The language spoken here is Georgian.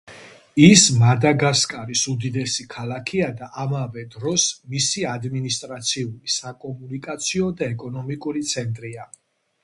ის მადაგასკარის უდიდესი ქალაქია და ამავე დროს მისი ადმინისტრაციული, საკომუნიკაციო და ეკონომიკური ცენტრია.